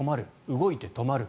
動いて、止まる。